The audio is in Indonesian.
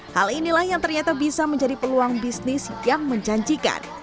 hal inilah yang ternyata bisa menjadi peluang bisnis yang menjanjikan